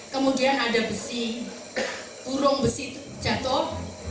kemudian ada burung besi jatuh